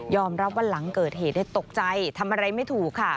รับว่าหลังเกิดเหตุได้ตกใจทำอะไรไม่ถูกค่ะ